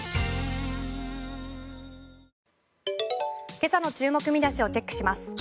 今朝の注目見出しをチェックします。